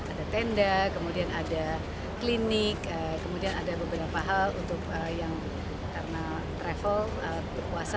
ada tenda kemudian ada klinik kemudian ada beberapa hal untuk yang karena travel berpuasa